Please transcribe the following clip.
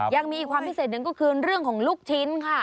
ยังมีความพิเศษหนึ่งก็คือเรื่องของลูกชิ้นค่ะ